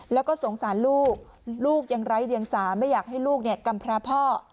แล้วก็สงสารลูกลูกยังไร้เดียงสาไม่อยากให้ลูกกำพระพ่อ